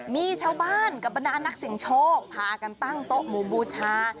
มีชาวบ้านกับบรรดานักเสียงโชคพากันตั้งโต๊ะหมู่บูชา